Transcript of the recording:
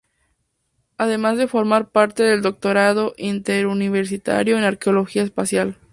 Además de formar parte del Doctorado Interuniversitario en Arqueología Espacial.